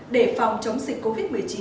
để phòng chống dịch covid một mươi chín